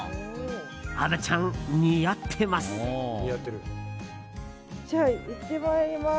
虻ちゃん、似合ってます。